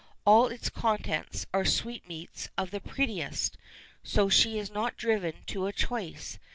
All its contents are sweetmeats of the prettiest, so she is not driven to a choice.